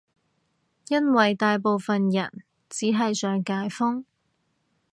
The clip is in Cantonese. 因爲大部分人只係想解封